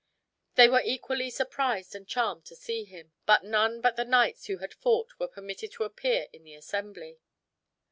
They were equally surprised and charmed to see him; but none but the knights who had fought were permitted to appear in the assembly.